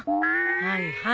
はいはい。